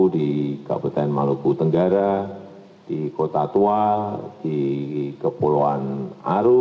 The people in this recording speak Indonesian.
di kabupaten maluku tenggara di kota tua di kepulauan aru